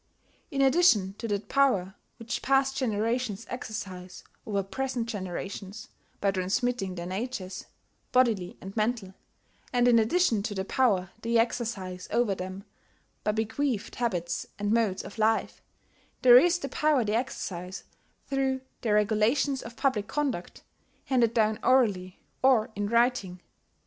In addition to that power which past generations exercise over present generations, by transmitting their natures, bodily and mental, and in addition to the power they exercise over them by bequeathed habits and modes of life, there is the power they exercise through their regulations for public conduct, handed down orally, or in writing....